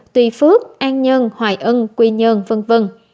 tuy phước an nhân hoài ân quy nhơn v v